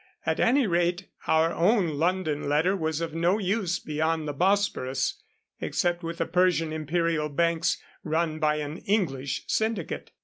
At any rate, our own London letter was of no use beyond the Bosporus, except with the Persian imperial banks run by an English syndicate.